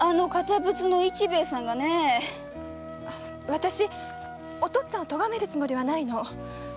私お父っつぁんを咎めるつもりはないの。